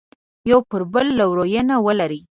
یو پر بل لورینه ولري.